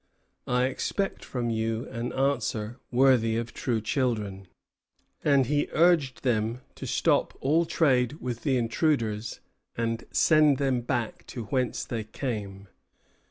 I expect from you an answer worthy of true children." And he urged them to stop all trade with the intruders, and send them back to whence they came.